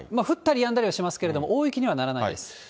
降ったりやんだりはしますけれども、大雪にはならないです。